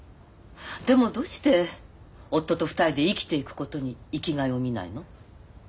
でもどうして夫と２人で生きていくことに生きがいを見ないの？